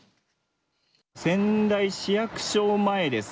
仙台市役所前です。